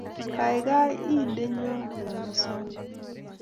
Kagaiga-i-ndennyo yan asame